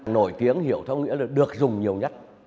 nổi tiếng hiểu theo nghĩa là được dùng nhiều nhất